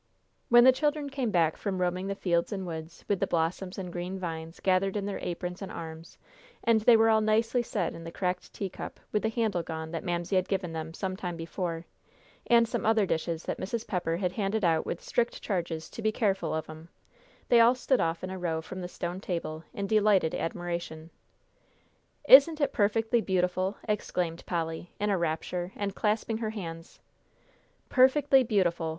When the children came back from roaming the fields and woods, with the blossoms and green vines gathered in their aprons and arms, and they were all nicely set in the cracked teacup with the handle gone that Mamsie had given them some time before, and some other dishes that Mrs. Pepper had handed out with strict charges to be careful of 'em, they all stood off in a row from the stone table, in delighted admiration. "Isn't it perfectly beautiful!" exclaimed Polly, in a rapture, and clasping her hands. "Perfectly beautiful!"